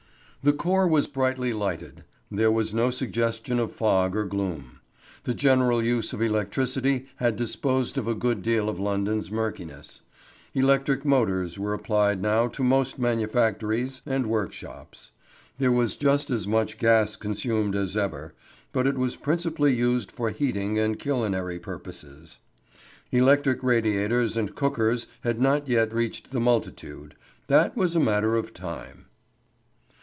The core was brilliantly lighted; there was no suggestion of fog or gloom. The general use of electricity had disposed of a good deal of London's murkiness; electric motors were applied now to most manufactories and work shops. There was just as much gas consumed as ever, but it was principally used for heating and culinary purposes. Electric radiators and cookers had not yet reached the multitude; that was a matter of time.